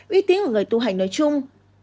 uy tín của người tu hành nói chung